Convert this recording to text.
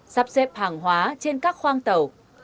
sắp xếp hàng hóa trên các khoang tàu